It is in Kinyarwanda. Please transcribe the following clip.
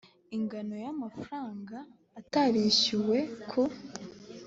ingano y amafaranga atarishyuwe ku